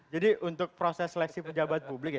jadi untuk proses seleksi pejabat publik ya